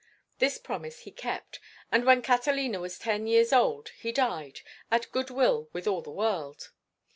This promise he kept, and when Catalina was ten years old he died, at good will with all the world.